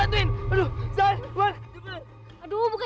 tidak ada apa apa